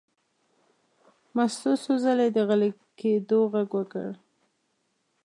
مستو څو ځلې د غلي کېدو غږ وکړ.